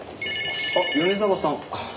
あっ米沢さん。